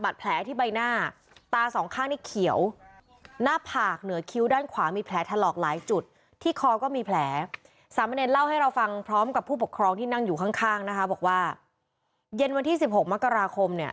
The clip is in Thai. แต่เรานึกว่าเย็นวันที่๑๖มกราคมเนี่ย